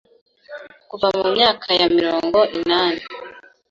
kuva mu myaka ya mirongo inani